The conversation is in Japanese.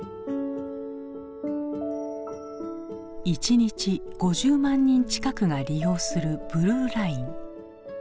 一日５０万人近くが利用するブルーライン。